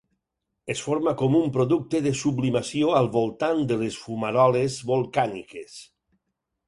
Es forma com un producte de sublimació al voltant de les fumaroles volcàniques.